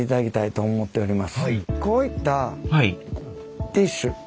こういったティッシュ。